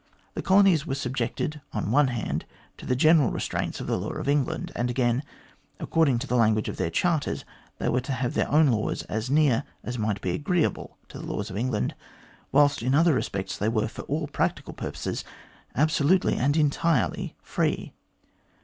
The colonies were subjected on the one hand to the general restraints of the law of England, and again, according to the language of their charters, they were to have their laws as near as might be agreeable to the laws of England, whilst in other respects they were, for all practical purposes, absolutely and entirely free.